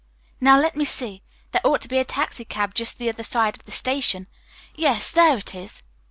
Now let me see. There ought to be a taxicab just the other side of the station. Yes, there it is."